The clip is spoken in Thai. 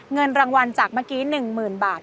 เงินรางวัลจากเมื่อกี้๑๐๐๐บาท